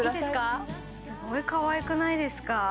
すごいかわいくないですか？